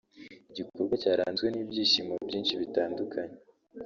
igikorwa cyaranzwe n’ibyishimo byinshi bitandukanye